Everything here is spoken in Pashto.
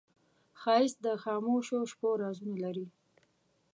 ښایست د خاموشو شپو رازونه لري